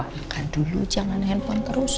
makan dulu jangan handphone terus